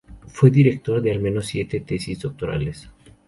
Fue director de al menos siete tesis doctorales.